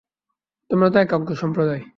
তোমরা তো এক অজ্ঞ সম্প্রদায়।